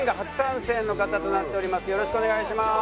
よろしくお願いします。